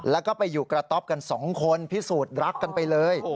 แล้วก็ไปอยู่กระต๊อปกันสองคนพิสูจน์รักกันไปเลย